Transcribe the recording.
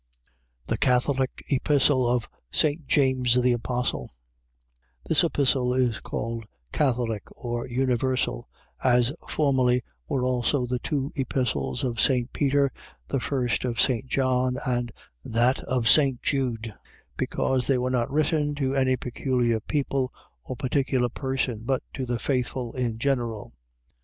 THE CATHOLIC EPISTLE OF ST. JAMES THE APOSTLE This Epistle is called Catholic or Universal, as formerly were also the two Epistles of St. Peter, the first of St. John and that of St. Jude, because they were not written to any peculiar people or particular person, but to the faithful in general.